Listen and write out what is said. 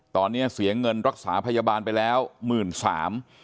ตอนนี้เสียเงินรักษาพยาบาลไปแล้วหมื่นสาม